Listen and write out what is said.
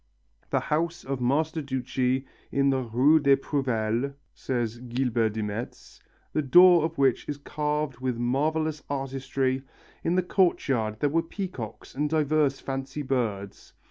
"The house of master Duchie in the rue des Prouvelles," says Guillebert de Metz, "the door of which is carved with marvellous artistry; in the courtyard there were peacocks and diverse fancy birds.